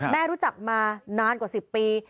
แม่รู้จักมานานกว่าสิบปี